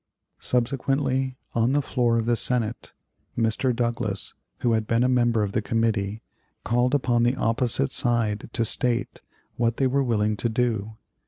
Subsequently, on the floor of the Senate, Mr. Douglas, who had been a member of the Committee, called upon the opposite side to state what they were willing to do.